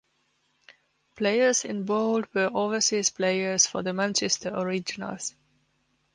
Players in Bold were overseas players for the Manchester Originals.